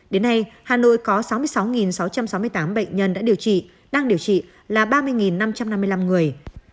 đến nay hà nội có sáu mươi sáu sáu trăm sáu mươi tám bệnh nhân đã điều trị đang điều trị là ba mươi năm trăm năm mươi năm người